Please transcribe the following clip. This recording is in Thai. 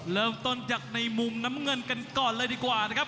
เริ่มต้นจากในมุมน้ำเงินกันก่อนเลยดีกว่านะครับ